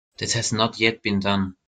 This has not yet been done.